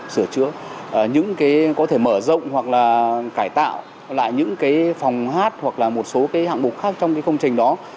sửa chữa những cái có thể mở rộng hoặc là cải tạo lại những cái phòng hát hoặc là một số hạng mục khác trong cái công trình đó